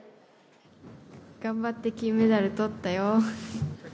頑張って金メダルとったよ。